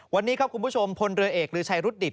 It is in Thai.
วันนี้ครับคุณผู้ชมพลเรือเอกลือชัยรุดดิต